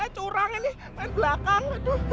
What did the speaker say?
curang ini belakang